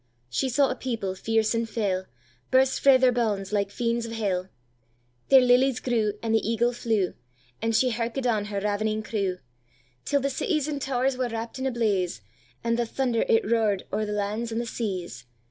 She saw a people, fierce and fell, Burst frae their bounds like fiends of hell; There lilies grew, and the eagle flew; And she herkéd on her ravening crew, Till the cities and towers were wrapp'd in a blaze, And the thunder it roar'd o'er the lands and the seas.